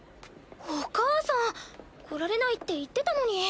お母さん。来られないって言ってたのに。